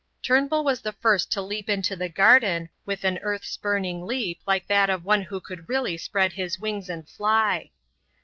Turnbull was the first to leap into the garden, with an earth spurning leap like that of one who could really spread his wings and fly.